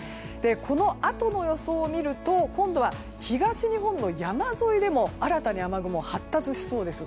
このあとの予想を見ると今度は東日本の山沿いでも新たに雨雲が発達しそうです。